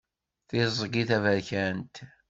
Tiẓgi taberkant.